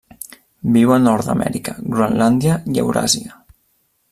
Viu a Nord-amèrica, Groenlàndia i Euràsia.